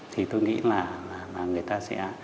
thì tôi nghĩ là người ta sẽ